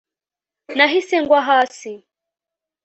Nahise ngwa hasi